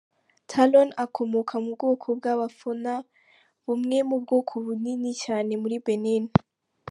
Talon akomoka mu bwoko bw’ba Fona, bumwe mu bwoko bunini cyane muri Benin.